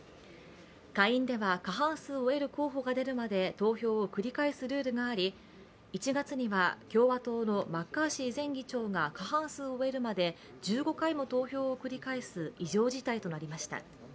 下院では、過半数を得る候補が出るまで投票を繰り返すルールがあり、１月には共和党のマッカーシー前議長が過半数を得るまで１５回も投票を繰り返す異常事態となりました。